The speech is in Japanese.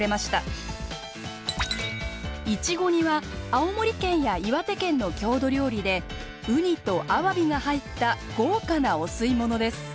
「いちご煮」は青森県や岩手県の郷土料理でウニとアワビが入った豪華なお吸い物です。